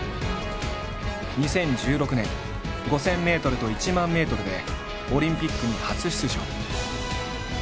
２０１６年５０００ｍと１００００ｍでオリンピックに初出場。